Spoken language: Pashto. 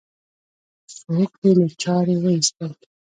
څوک دې له چارې وایستل؟